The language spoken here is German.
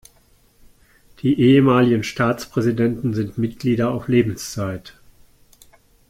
Die ehemaligen Staatspräsidenten sind Mitglieder auf Lebenszeit.